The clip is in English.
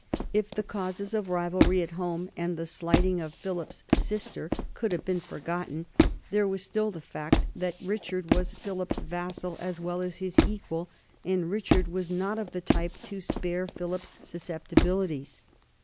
If the causes of rivalry at home and the slighting of Philip's sister could have been forgotten, there was still the fact that Richard was Philip's vassal as well as his equal, and Richard was not of the type to spare Philip's susceptibilities.